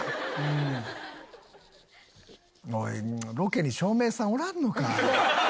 「ロケに照明さんおらんのか」